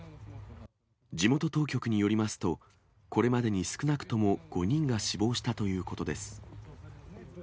地元当局によりますと、これまでに少なくとも５人が死亡したということです。